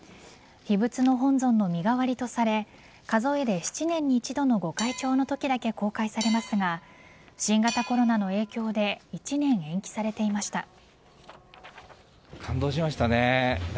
秘仏の本尊の身代わりとされ数えで７年に１度の御開帳のときだけ公開されますが新型コロナの影響で１年延期されていました。